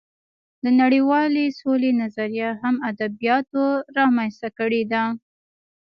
د نړۍوالې سولې نظریه هم ادبیاتو رامنځته کړې ده